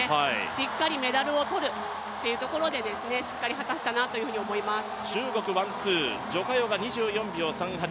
しっかりメダルを取るということで、しっかり果たしたなと思いますね。